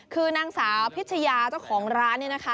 คือนางสาวพิชยาเจ้าของร้านนี่นะคะ